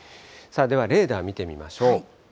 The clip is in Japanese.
ではレーダー見てみましょう。